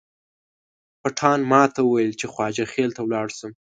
پټان ماته وویل چې خواجه خیل ته ولاړ شم.